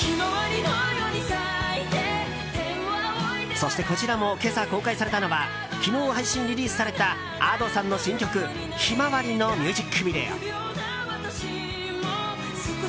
そして、こちらも今朝、公開されたのは昨日、配信リリースされたＡｄｏさんの新曲「向日葵」のミュージックビデオ。